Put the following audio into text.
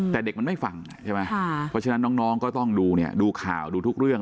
แต่เด็กมันไม่ฟังใช่ไหมเพราะฉะนั้นน้องก็ต้องดูเนี่ยดูข่าวดูทุกเรื่อง